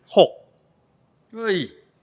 เฮ้ย